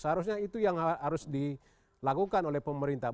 seharusnya itu yang harus dilakukan oleh pemerintah